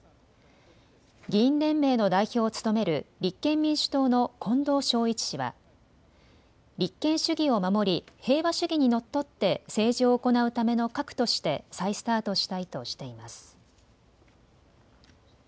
議員連盟の代表を務める立憲民主党の近藤昭一氏は立憲主義を守り平和主義にのっとって政治を行うための核として再スタートしたいとしています。